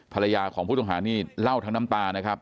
ภรรยาของผู้ต้องหานี่เล่าทั้งน้ำตานะครับ